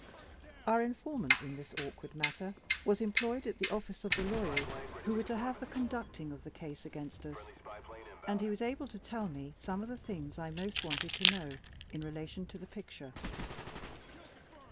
Our informant in this awkward matter was employed at the office of the lawyers who were to have the conducting of the case against us; and he was able to tell me some of the things I most wanted to know in relation to the picture.